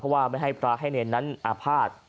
เพราะว่าไม่ให้พระให้เรนนั้นอภาษณ์